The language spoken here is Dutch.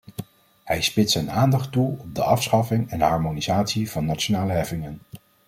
Hij spitst zijn aandacht toe op de afschaffing en harmonisatie van nationale heffingen.